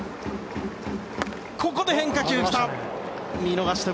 ここで変化球来た！